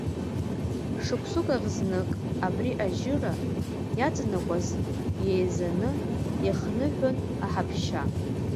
Шықәсык ахь зны, абри ажьыра иаҵанакуаз еизаны иахныҳәон аҳаԥшьа.